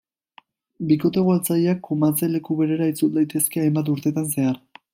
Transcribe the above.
Bikote ugaltzaileak kumatze leku berera itzul daitezke hainbat urtetan zehar.